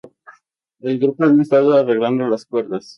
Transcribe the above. El grupo había estado arreglando las cuerdas.